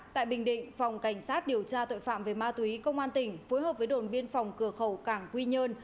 tại bình định phòng cảnh sát điều tra tội phạm về ma túy công an tỉnh phối hợp với đồn biên phòng cửa khẩu cảng quy nhơn